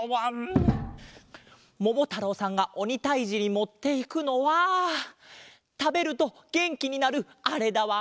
ももたろうさんがおにたいじにもっていくのはたべるとげんきになるあれだわん。